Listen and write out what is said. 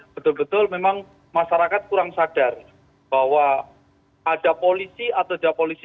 betul betul memang masyarakat kurang sadar bahwa ada polisi atau tidak polisi